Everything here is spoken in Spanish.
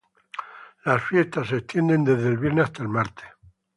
Las fiestas se extienden desde el viernes hasta el martes.